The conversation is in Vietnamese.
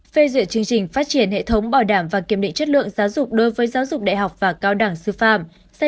phê duyệt chương trình phát triển hệ thống bảo đảm và kiểm định chất lượng giáo dục đối với giáo dục đại học và cao đảng sư phạm